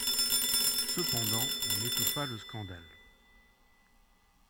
Cependant, on étouffa le scandale.